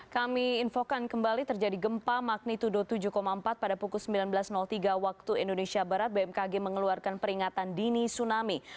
kami infokan kembali terjadi gempa magnitudo tujuh empat pada pukul sembilan belas tiga waktu indonesia barat bmkg mengeluarkan peringatan dini tsunami